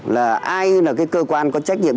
là ai là cái cơ quan có trách nhiệm